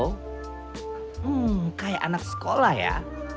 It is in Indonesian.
hmm kayak anak sekolah ya